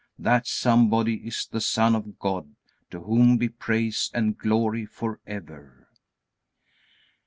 That Somebody is the Son of God, to whom be praise and glory forever.